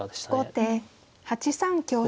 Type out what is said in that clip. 後手８三香車。